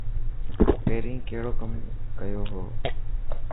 پهرين ڪڙو ڪم ڪيو هو.